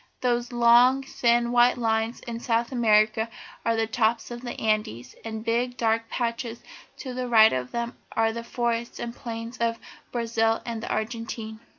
"Those long thin white lines in South America are the tops of the Andes, and the big, dark patches to the right of them are the forests and plains of Brazil and the Argentine.